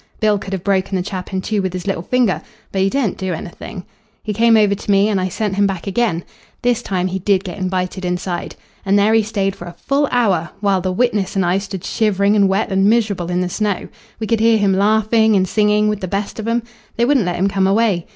Bill could have broken the chap in two with his little finger, but he daren't do anything. He came over to me and I sent him back again. This time he did get invited inside. And there he stayed for a full hour, while the witness and I stood shivering and wet and miserable in the snow. We could hear him laughing and singing with the best of 'em. They wouldn't let him come away.